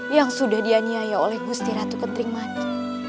yang sudah dianiaya oleh gusti ratu kenting mani